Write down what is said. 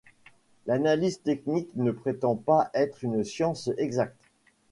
L’analyse technique ne prétend pas être une science exacte.